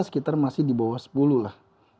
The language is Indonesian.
sekitar masih di bawah sepuluh lah